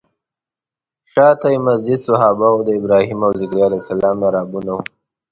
شاته یې مسجد صحابه او د ابراهیم او ذکریا علیه السلام محرابونه وو.